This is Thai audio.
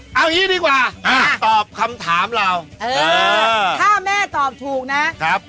เอางี้ดีกว่าตอบคำถามเราเออถ้าแม่ตอบถูกนะครับ